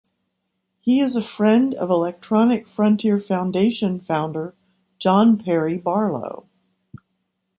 He is a friend of Electronic Frontier Foundation founder John Perry Barlow.